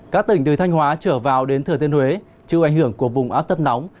các tỉnh từ thanh hóa trở vào đến thừa tiên huế chịu ảnh hưởng của vùng áp tâm nóng